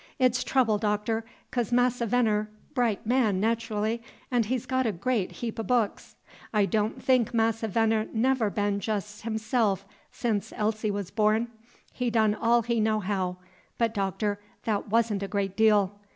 It's trouble, Doctor; 'cos Massa Veneer bright man naterally, 'n' he's got a great heap o' books. I don' think Massa Veneer never been jes' heself sence Elsie 's born. He done all he know how, but, Doctor, that wa'n' a great deal.